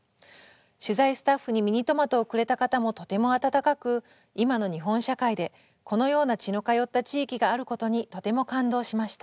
取材スタッフにミニトマトをくれた方もとても温かく今の日本社会でこのような血の通った地域があることにとても感動しました」。